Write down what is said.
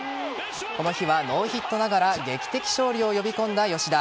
この日はノーヒットながら劇的勝利を呼び込んだ吉田。